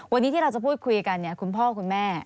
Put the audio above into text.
วันนี้ที่เราจะพูดคุยกันคุณพ่อคุณแม่